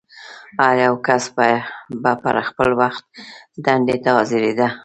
هر یو کس به پر خپل وخت دندې ته حاضرېده.